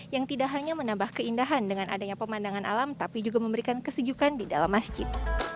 yang tidak hanya menambah keindahan dengan adanya pemandangan alam tapi juga memberikan kesejukan di dalam masjid